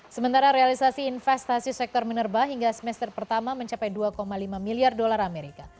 sementara realisasi investasi sektor minerba hingga semester pertama mencapai dua lima miliar dolar amerika